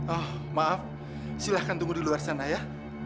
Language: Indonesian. oh maaf silahkan tunggu di luar sana ya